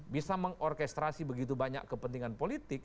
bisa mengorkestrasi begitu banyak kepentingan politik